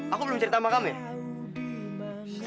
aku belum cerita sama kami ya